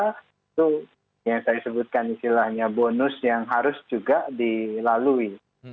itu yang saya sebutkan istilahnya bonus yang harus juga dilalui